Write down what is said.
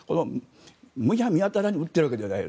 むやみやたらに撃ってるわけではない。